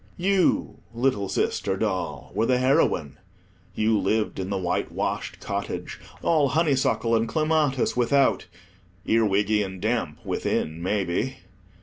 You, little sister doll, were the heroine. You lived in the white washed cottage, all honeysuckle and clematis without—earwiggy and damp within, maybe.